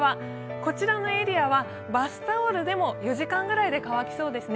こちらのエリアはバスタオルでも４時間ぐらいで乾きそうですね。